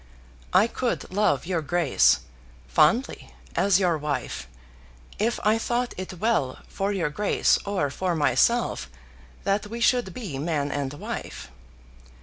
I could love your Grace, fondly, as your wife, if I thought it well for your Grace or for myself that we should be man and wife.